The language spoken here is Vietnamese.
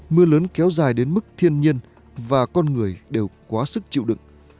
mưa lớn kéo dài đến mức thiên nhiên và con người đều quá sức chịu đựng